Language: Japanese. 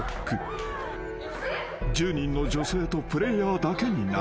［１０人の女性とプレーヤーだけになる］